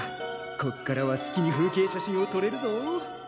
こっからは好きに風景写真をとれるぞ。